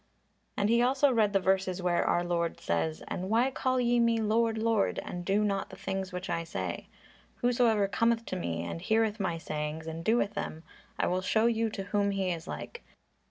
And he also read the verses where our Lord says, "And why call ye me, Lord, Lord, and do not the things which I say? Whosoever cometh to me and heareth my sayings, and doeth them, I will show you to whom he is like.